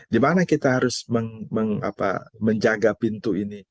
di mana kita harus menjaga pintu ini